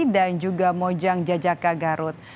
dan juga mojang jajaka garut